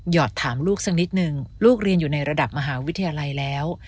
อดถามลูกสักนิดนึงลูกเรียนอยู่ในระดับมหาวิทยาลัยแล้ว